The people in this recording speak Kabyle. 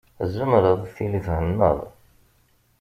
Tzemreḍ tili thennaḍ.